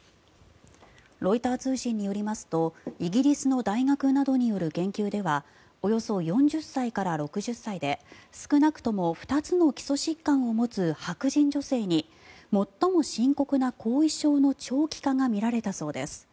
ロイター通信によりますとイギリスの大学などによる研究ではおよそ４０歳から６０歳で少なくとも２つの基礎疾患を持つ白人女性に最も深刻な後遺症の長期化が見られたそうです。